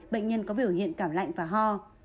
bệnh nhân có biểu hiện cảm lạnh và ho